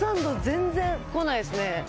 全然来ないですね。